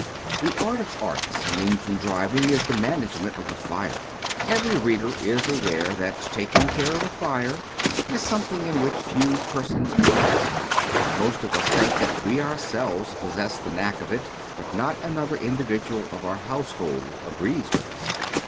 The art of arts in engine driving is the management of the fire. Every reader is aware that taking care of a fire is something in which few persons become expert. Most of us think that we ourselves possess the knack of it, but not another individual of our household agrees with us.